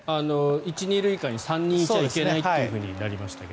１・２塁間に３人いちゃいけないとなりましたが。